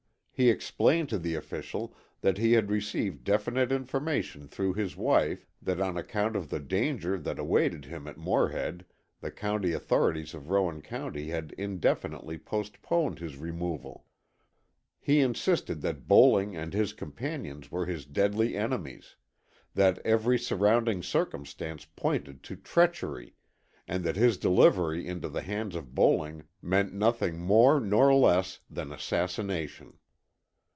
He explained to the official that he had received definite information through his wife that on account of the danger that awaited him at Morehead the county authorities of Rowan County had indefinitely postponed his removal. He insisted that Bowling and his companions were his deadly enemies; that every surrounding circumstance pointed to treachery, and that his delivery into the hands of Bowling meant nothing more nor less than assassination.